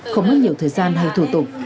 không mất nhiều thời gian hay thủ tục